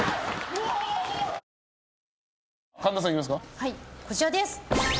はい、こちらです。